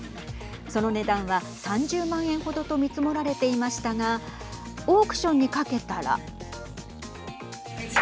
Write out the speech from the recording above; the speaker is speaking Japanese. その値段は３０万円程と見積もられていましたがオークションにかけたら。